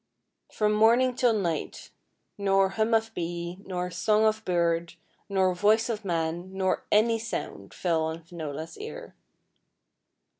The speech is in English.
From morning till night, nor hum of bee, nor song of bird, nor voice of man, nor any sound fell on Finola's ear.